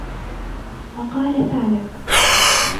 وَقَالَ ثَعْلَبٌ